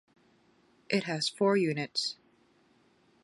It has four units.